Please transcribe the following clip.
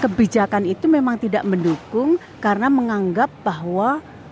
kebijakan itu memang tidak mendukung karena menganggap bahwa